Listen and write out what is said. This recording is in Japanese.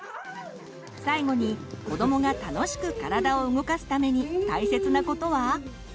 最後に子どもが楽しく体を動かすために大切なことは？